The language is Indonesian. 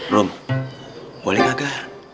rom boleh kagak